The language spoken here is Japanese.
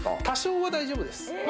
多少は大丈夫です。